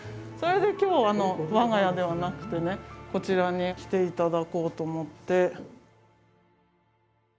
それで今日我が家ではなくてねこちらに来ていただこうと思って。